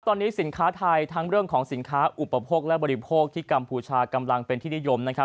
ตอนนี้สินค้าไทยทั้งเรื่องของสินค้าอุปโภคและบริโภคที่กัมพูชากำลังเป็นที่นิยมนะครับ